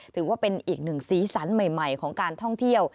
ถือว่าเป็นอีกหนึ่งสีสันใหม่ของการท่องเที่ยว